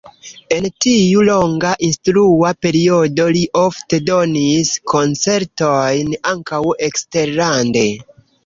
En tiu longa instrua periodo li ofte donis koncertojn ankaŭ eksterlande.